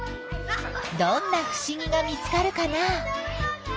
どんなふしぎが見つかるかな？